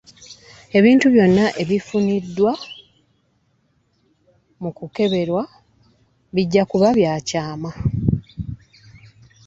Ebintu byonna ebifuniddwa, n’ebiva mu kukeberebwa, bijja kukuumibwa nga bya kyama.